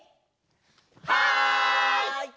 はい！